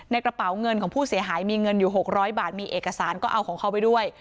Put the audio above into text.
กระเป๋าเงินของผู้เสียหายมีเงินอยู่๖๐๐บาทมีเอกสารก็เอาของเขาไปด้วย